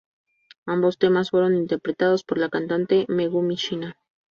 Ambos temas fueron interpretados por la cantante Megumi Shiina.